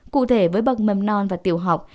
cụ thể với bậc mầm non và tiểu học